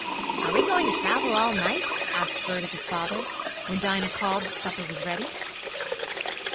"Are we going to travel all night?" asked Bert of his father, when Dinah called that supper was ready.